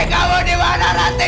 kamu dimana ranti